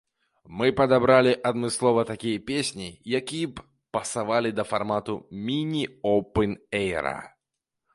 Мы падабралі адмыслова такія песні, якія б пасавалі да фармату міні-опэн-эйра.